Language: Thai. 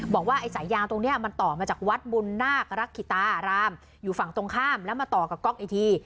บอกว่าไอ้สายยางตรงนี้มันต่อมาจากวัดบุญนาครักกิตารามอยู่ฝั่งตรงข้ามแล้วมาต่อกับก๊อกอีกที